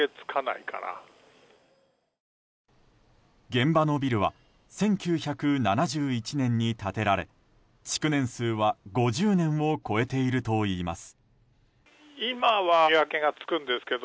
現場のビルは１９７１年に建てられ築年数は５０年を超えているといいます。